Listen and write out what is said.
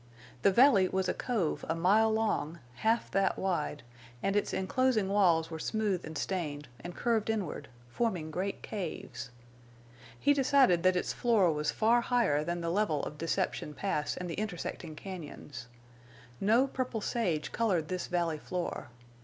The valley was a cove a mile long, half that wide, and its enclosing walls were smooth and stained, and curved inward, forming great caves. He decided that its floor was far higher than the level of Deception Pass and the intersecting cañons. No purple sage colored this valley floor.